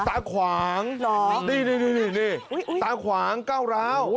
ตาขวางนี่ที่นี่ตาขวางก้าวร้าว